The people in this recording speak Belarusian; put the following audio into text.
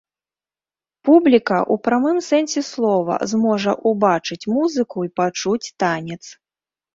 Публіка ў прамым сэнсе слова зможа ўбачыць музыку і пачуць танец.